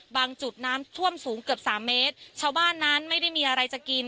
จุดน้ำท่วมสูงเกือบสามเมตรชาวบ้านนั้นไม่ได้มีอะไรจะกิน